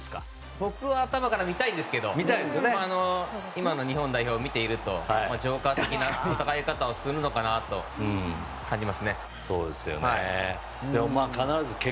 僕は頭から見たいんですけど今の日本代表を見ているとジョーカー的な戦い方をするのかなと感じますね。